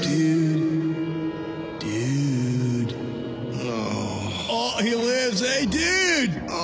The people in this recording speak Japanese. ああ。